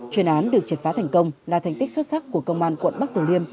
chuyên án được triệt phá thành công là thành tích xuất sắc của công an quận bắc tử liêm